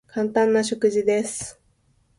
簡単な食事です。